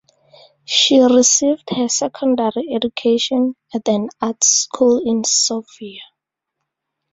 She received her secondary education at an arts school in Sofia.